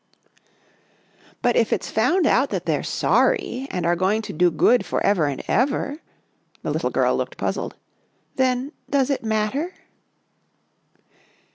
" But if it's found out that they're sorry and are going to do good for ever and ever," the little girl looked puzzled, " then does it mat ter?"